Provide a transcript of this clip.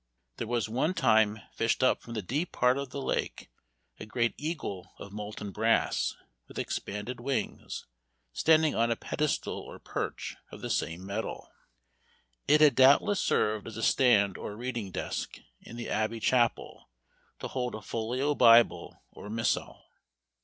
There was one time fished up from the deep part of the lake a great eagle of molten brass, with expanded wings, standing on a pedestal or perch of the same metal. It had doubtless served as a stand or reading desk, in the Abbey chapel, to hold a folio Bible or missal.